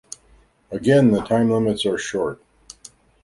Again, the time limits are short.